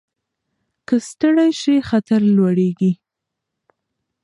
که ستړي شئ خطر لوړېږي.